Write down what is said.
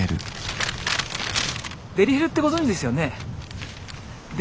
デリヘルってご存じですよねえ。